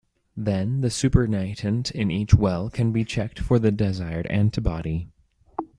Then the supernatant in each well can be checked for the desired antibody.